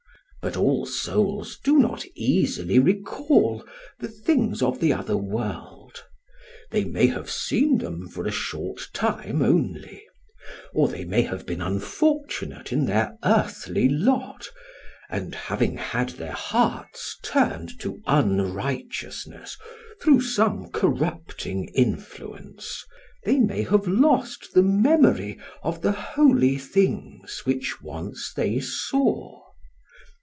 But all souls do not easily recall the things of the other world; they may have seen them for a short time only, or they may have been unfortunate in their earthly lot, and having had their hearts turned to unrighteousness through some corrupting influence, they may have lost the memory of the holy things which once they saw.